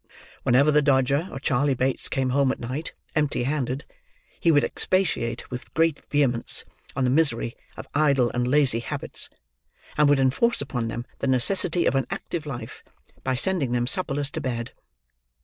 Whenever the Dodger or Charley Bates came home at night, empty handed, he would expatiate with great vehemence on the misery of idle and lazy habits; and would enforce upon them the necessity of an active life, by sending them supperless to bed.